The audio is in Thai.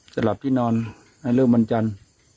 หลับที่นอนให้เริ่มวันจันทร์